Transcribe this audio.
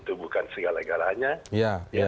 itu bukan segala galanya